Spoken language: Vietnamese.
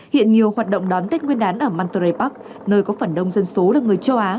hiện nhiều hoạt động đón tết nguyên đán ở mantre park nơi có phần đông dân số là người châu á